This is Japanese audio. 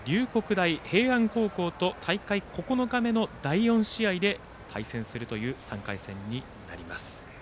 大平安高校と大会９日目の第４試合で対戦するという３回戦になります。